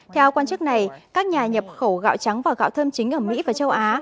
theo quan chức này các nhà nhập khẩu gạo trắng và gạo thơm chính ở mỹ và châu á